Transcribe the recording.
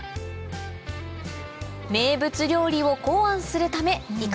名物料理を考案するためい